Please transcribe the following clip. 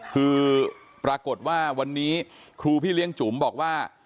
คือปรากฏว่าวันนี้ครูพี่เลี้ยงจุ๋มบอกว่า